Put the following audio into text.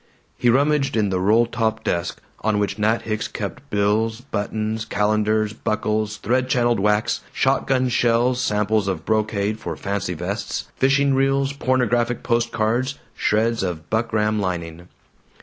He rummaged in the roll top desk on which Nat Hicks kept bills, buttons, calendars, buckles, thread channeled wax, shotgun shells, samples of brocade for "fancy vests," fishing reels, pornographic post cards, shreds of buckram lining.